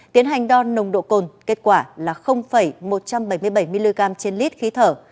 tiến hành đo nồng độ cồn kết quả là một trăm bảy mươi bảy mg trên lít khí thở